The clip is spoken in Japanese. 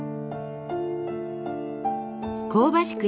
香ばしく